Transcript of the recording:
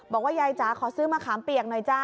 บอกว่ายายจ๊ะขอซื้อมะคามเปียกหน่อยจ้ะ